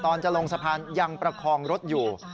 ตอนจะลงสะพานยังประคองรถอยู่